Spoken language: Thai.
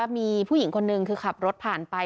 มีผู้หญิงคนนึงคือขับรถผ่านไป